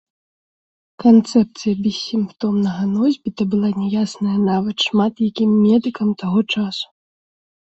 Канцэпцыя бессімптомнага носьбіта была няясная нават шмат якім медыкам таго часу.